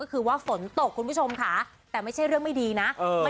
ก็คือว่าฝนตกคุณผู้ชมค่ะแต่ไม่ใช่เรื่องไม่ดีนะ